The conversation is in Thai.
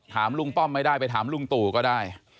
ถามลุงป้อมไม่ได้ไปถามลุงตู่ก็ได้